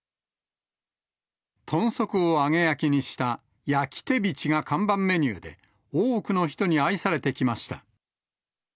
豚足を揚げ焼きにした焼きテビチが看板メニューで、多くの人に愛されてきました。